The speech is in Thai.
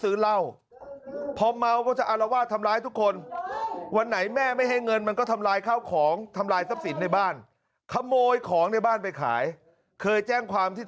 เอาไว้ทางไป